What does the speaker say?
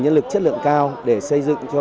nhân lực chất lượng cao để xây dựng cho